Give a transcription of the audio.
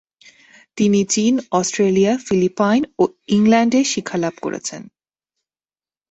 তিনি চীন, Australia, Philippine এবং ইংল্যান্ডে শিক্ষালাভ করেছেন।